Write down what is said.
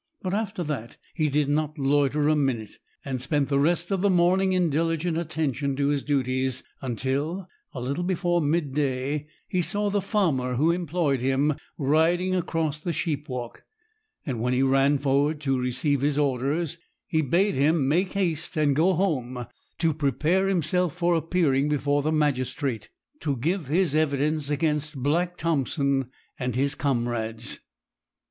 But after that he did not loiter a minute, and spent the rest of the morning in diligent attention to his duties, until, a little before mid day, he saw the farmer who employed him riding across the sheep walk; and when he ran forward to receive his orders, he bade him make haste and go home to prepare himself for appearing before the magistrate, to give his evidence against Black Thompson and his comrades.